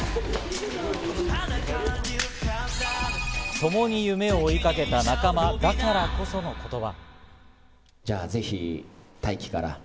ともに夢を追いかけた仲間だからこその言葉。